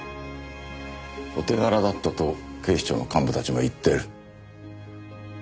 「お手柄だった」と警視庁の幹部たちも言ってる。